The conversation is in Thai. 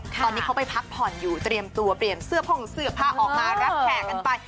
ตอนนี้เขาไปพักผ่อนอยู่เตรียมตัวเปลี่ยนเสื้อผ่องเสื้อผ้าออกมารับแขกกันไป